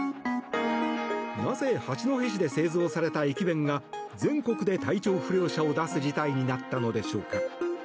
なぜ、八戸市で製造された駅弁が全国で体調不良者を出す事態になったのでしょうか。